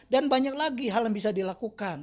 dan banyak lagi hal yang bisa dilakukan